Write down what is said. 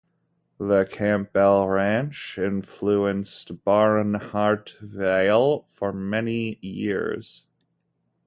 The Campbell Ranch influenced Barnhartvale for many years.